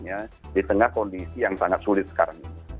dan yang membutuhkannya di tengah kondisi yang sangat sulit sekarang ini